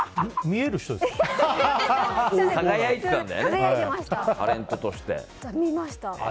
見ました。